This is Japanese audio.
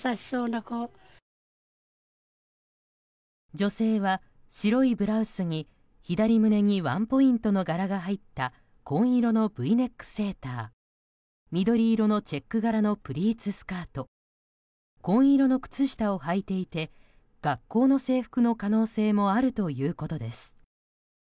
女性は白いブラウスに左胸にワンポイントの柄が入った紺色のＶネックセーター緑色のチェック柄のプリーツスカート紺色の靴下を履いていて学校の制服の可能性もあるということです。